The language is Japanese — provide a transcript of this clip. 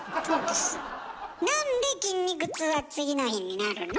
なんで筋肉痛は次の日になるの？